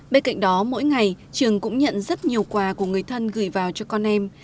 bên cạnh đó mỗi ngày trường cũng nhận rất nhiều quà của người thân gửi vào cho con em